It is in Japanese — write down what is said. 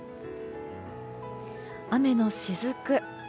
雨のしずく。